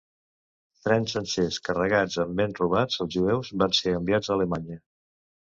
Trens sencers carregats amb béns robats als jueus van ser enviats a Alemanya.